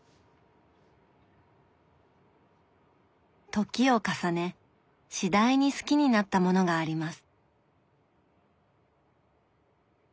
時を重ね次第に好きになったものがあります。